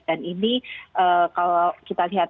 dan ini kalau kita lihat